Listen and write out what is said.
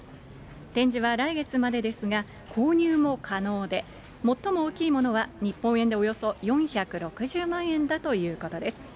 展示は来月までですが、購入も可能で、最も大きいものは、日本円でおよそ４６０万円だということです。